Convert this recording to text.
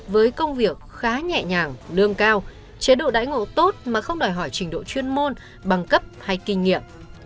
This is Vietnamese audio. với công việc khá nhẹ nhàng lương cao chế độ đãi ngộ tốt mà không đòi hỏi trình độ chuyên môn bằng cấp hay kinh nghiệm